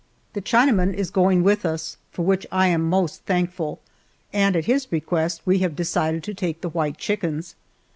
The Chinaman is going with us, for which I am most thankful, and at his request we have decided to take the white chickens.